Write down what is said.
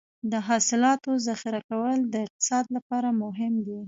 د حاصلاتو ذخیره کول د اقتصاد لپاره مهم دي.